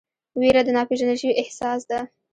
ویره د ناپېژندل شوي احساس ده.